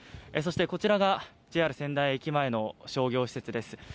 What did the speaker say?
そしてＪＲ仙台駅前の商業施設です。